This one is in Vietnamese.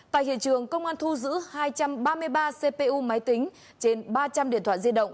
tại hiện trường công an thu giữ hai trăm ba mươi ba cpu máy tính trên ba trăm linh điện thoại di động